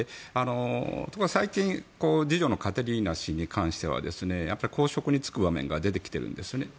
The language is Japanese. ところが最近次女のカテリーナ氏に関しては公職に就く場面が出てきているんです。